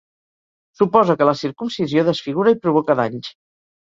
Suposa que la circumcisió desfigura i provoca danys.